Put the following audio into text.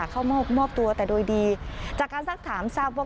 เข้ามอบตัวแต่โดยดีจากการสักถามทราบว่า